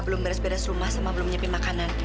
belum beres beres rumah sama belum nyepi makanan